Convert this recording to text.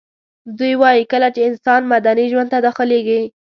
دوی وايي کله چي انسان مدني ژوند ته داخليږي